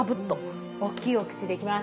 おっきいお口でいきます。